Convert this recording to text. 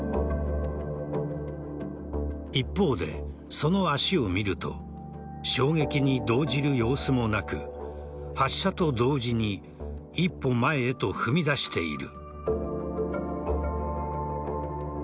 一方で、その足を見ると衝撃に動じる様子もなく発射と同時に一歩前へと踏み出している。